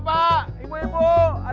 apakah ing ingenio disukainyeng